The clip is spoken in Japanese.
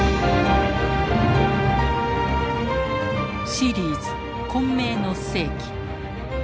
シリーズ「混迷の世紀」。